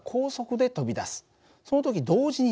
その時同時にね